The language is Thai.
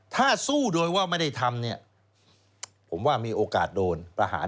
ถ้าสู้โดยว่าไม่ได้ทำเนี่ยผมว่ามีโอกาสโดนประหาร